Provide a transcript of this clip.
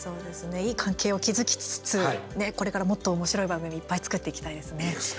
いい関係を築きつつこれから、もっとおもしろい番組いっぱい作っていきたいですね。